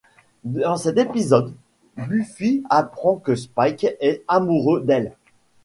Dans cet épisode, Buffy apprend que Spike est amoureux d'elle.